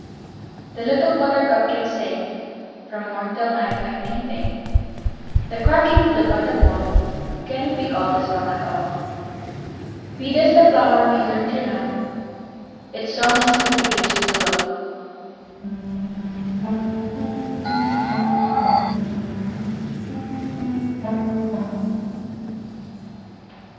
] The little Butter cup can sing, From morn 'till night like anything: The quacking of the Butter ball, Cannot be called a song at all. We thus the flower may learn to know, Its song is reproduced below.